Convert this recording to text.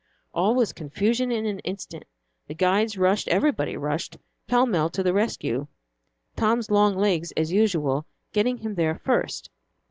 All was confusion in an instant. The guides rushed everybody rushed pellmell to the rescue; Tom's long legs, as usual, getting him there first.